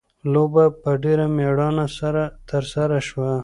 لوبه په ډېره مېړانه سره ترسره شوه.